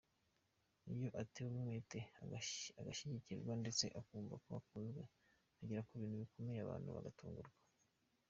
Iyo atewe umwete, agashyigikirwa ndetse akumva ko akunzwe agera ku bintu bikomeye abantu bagatungurwa.